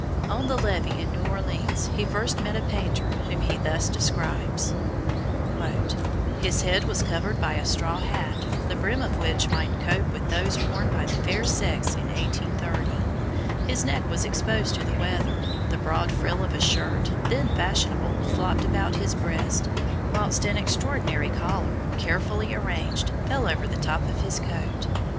On the Levee in New Orleans, he first met a painter whom he thus describes: "His head was covered by a straw hat, the brim of which might cope with those worn by the fair sex in 1830; his neck was exposed to the weather; the broad frill of a shirt, then fashionable, flopped about his breast, whilst an extraordinary collar, carefully arranged, fell over the top of his coat.